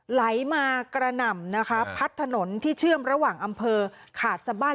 ไหลมากระหน่ำนะคะพัดถนนที่เชื่อมระหว่างอำเภอขาดสบ้าน